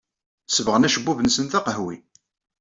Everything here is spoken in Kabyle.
Sebɣen acebbub-nsen d aqehwi.